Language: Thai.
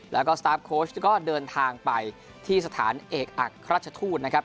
แล้วก็สตาร์ฟโค้ชก็เดินทางไปที่สถานเอกอักราชทูตนะครับ